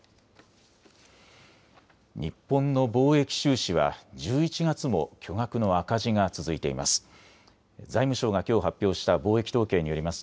日本の貿易収支は１１月も巨額の赤字が続いています。